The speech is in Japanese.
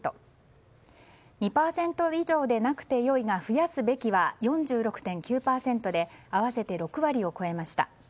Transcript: ２％以上でなくて良いが増やすべきは４６．９％で合わせて６割を超えました。